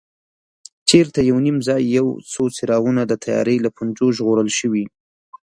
چېرته یو نیم ځای یو څو څراغونه د تیارې له پنجو ژغورل شوي.